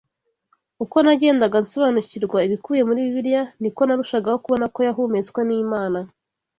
Uko nagendaga nsobanukirwa ibikubiye muri Bibiliya, ni ko narushagaho kubona ko yahumetswe n’Imana